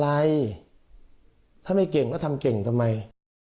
ใช่ถ้าไม่เก่งก็ทำเก่งกันไหม